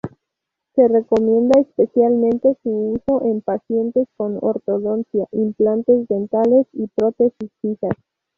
Se recomienda especialmente su uso en pacientes con ortodoncia, implantes dentales y prótesis fijas.